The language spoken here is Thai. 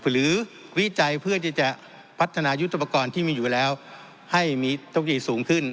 หรือวิจัยเพื่อจะพัฒนายุทธปกรณ์ที่มีอยู่แล้วให้มีต้นผลิตสูงขึ้น